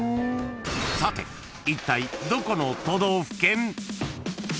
［さていったいどこの都道府県？］